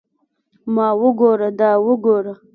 ما وګوره دا وګوره.